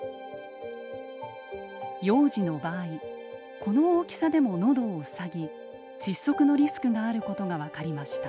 幼児の場合この大きさでものどを塞ぎ窒息のリスクがあることが分かりました。